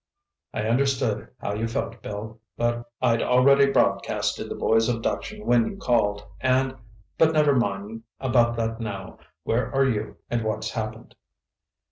"I understand how you felt, Bill. But I'd already broadcasted the boy's abduction when you called, and—but never mind about that now. Where are you, and what's happened?"